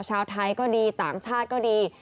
ชาวไทยก็ดีต่างชาติก็ดี